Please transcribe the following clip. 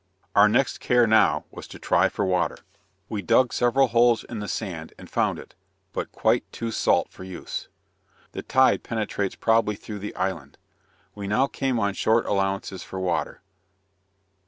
Our next care, now, was to try for water. We dug several holes in the sand and found it, but quite too salt for use. The tide penetrates probably through the island. We now came on short allowances for water.